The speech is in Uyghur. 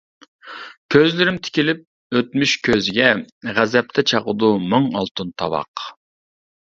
كۆزلىرىم تىكىلىپ ئۆتمۈش كۆزىگە، غەزەپتە چاقىدۇ مىڭ ئالتۇن تاۋاق.